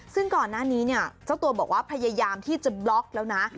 ซึ่งก่อนหน้านี้เนี่ยเจ้าตัวบอกว่าพยายามที่จะบล็อกแล้วนะ